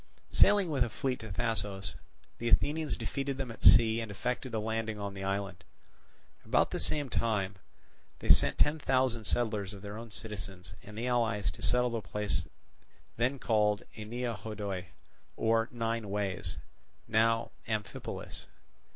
Sailing with a fleet to Thasos, the Athenians defeated them at sea and effected a landing on the island. About the same time they sent ten thousand settlers of their own citizens and the allies to settle the place then called Ennea Hodoi or Nine Ways, now Amphipolis.